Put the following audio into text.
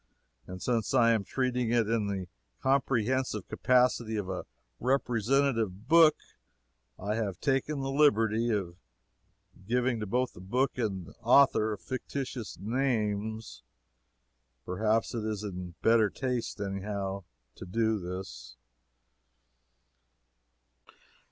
And since I am treating it in the comprehensive capacity of a representative book, I have taken the liberty of giving to both book and author fictitious names. Perhaps it is in better taste, any how, to do this.